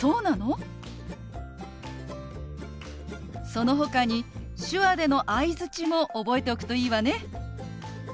そのほかに手話での相づちも覚えておくといいわね。